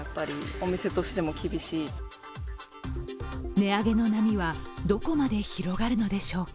値上げの波は、どこまで広がるのでしょうか。